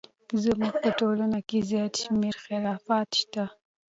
زموږ په ټولنه کې زیات شمیر خرافات شته!